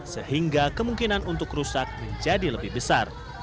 sehingga kemungkinan untuk rusak menjadi lebih besar